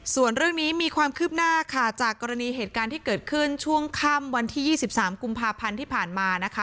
ส่วนเรื่องนี้มีความคืบหน้าค่ะจากกรณีเหตุการณ์ที่เกิดขึ้นช่วงค่ำวันที่๒๓กุมภาพันธ์ที่ผ่านมานะคะ